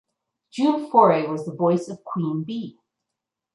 June Foray was the voice of Queen Bee.